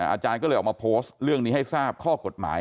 อาจารย์ก็เลยออกมาโพสต์เรื่องนี้ให้ทราบข้อกฎหมาย